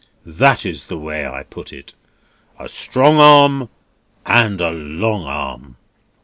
That is the way I put it. A strong arm and a long arm."